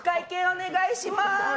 お願いします。